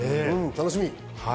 楽しみ。